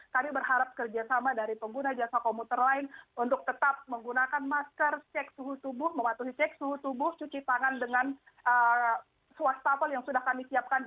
kami berharap kerjasama dari pengguna jasa komuter lain untuk tetap menggunakan masker cek suhu tubuh mematuhi cek suhu tubuh cuci tangan dengan swasta yang sudah kami siapkan